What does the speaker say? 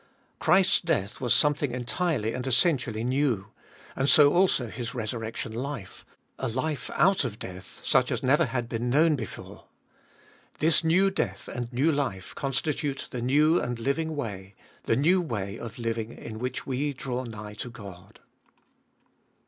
Christ's death was something entirely and essen tially new, and so also His resurrection life ; a life out of death, such as never had been known before. This new death and new life constitute the new and living way, the new way of living in which we draw nigh to God.